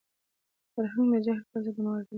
فرهنګ د جهل پر ضد د مبارزې وسیله ده.